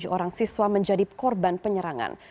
tujuh orang siswa menjadi korban penyerangan